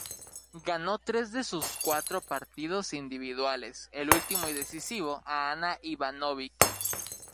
Ganó tres de sus cuatro partidos individuales, el último y decisivo a Ana Ivanovic.